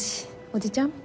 おじちゃん？